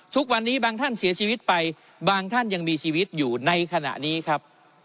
ทุกวันนี้บางท่านเสียชีวิตไปบางท่านยังมีชีวิตอยู่ในขณะนี้ครับ